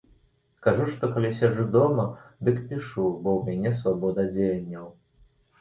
Кажу, што калі сяджу дома, дык пішу, бо ў мяне свабода дзеянняў.